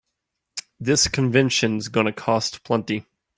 This convention's gonna cost plenty.